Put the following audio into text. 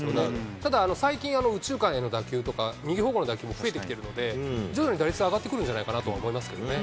ただ、最近、右中間への打球とか右方向への打球も増えてきてるので、徐々に打率は上がってくるんじゃないかなと思いますけどね。